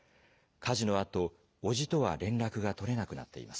火事のあと、伯父とは連絡が取れなくなっています。